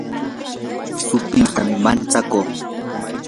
supaytam manchakuu